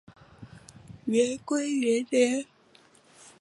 元龟元年。